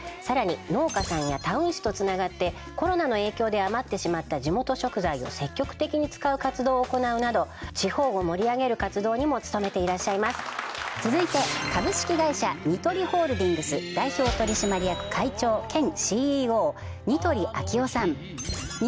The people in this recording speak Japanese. さらに農家さんやタウン誌とつながってコロナの影響で余ってしまった地元食材を積極的に使う活動を行うなど地方を盛り上げる活動にも努めていらっしゃいます続いて株式会社ニトリホールディングス代表取締役会長兼ＣＥＯ似鳥昭雄さん